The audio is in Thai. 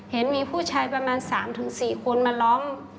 เห็นมีผู้ชายประมาณ๓๔คนมาล้อม